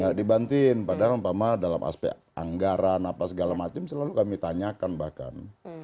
nggak dibantuin padahal umpama dalam aspek anggaran apa segala macam selalu kami tanyakan bahkan